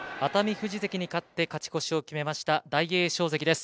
富士関に勝って勝ち越しを決めました大栄翔関です。